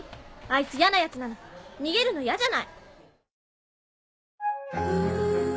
あいつやな奴なの逃げるのやじゃない！